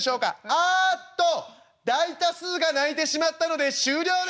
あっと大多数が泣いてしまったので終了です」。